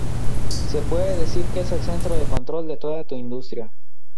Se puede decir que es el centro de control de toda tu industria.